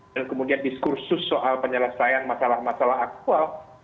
dan kemudian diskursus soal penyelesaian masalah masalah aktual